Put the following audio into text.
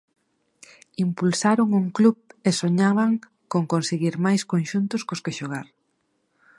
Impulsaron un club e soñaban con conseguir máis conxuntos cos que xogar.